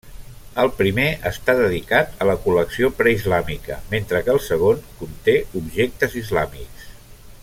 El primer està dedicat a la col·lecció preislàmica, mentre que el segon conté objectes islàmics.